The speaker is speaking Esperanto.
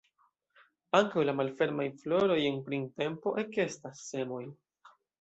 Ankaŭ la malfermaj floroj en printempo ekestas semoj.